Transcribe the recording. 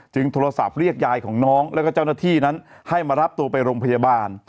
โทรศัพท์เรียกยายของน้องแล้วก็เจ้าหน้าที่นั้นให้มารับตัวไปโรงพยาบาล